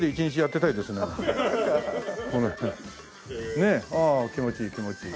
ねえああ気持ちいい気持ちいい。